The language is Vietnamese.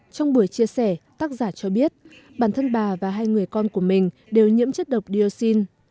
trong buổi chia sẻ tác giả cho biết bản thân bà và hai người con của mình đều nhiễm chất độc dioxin